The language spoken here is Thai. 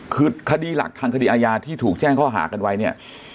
คือคดีหลักทางคดีอาญาที่ถูกแจ้งข้อหากันไว้เนี่ย